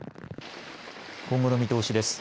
今後の見通しです。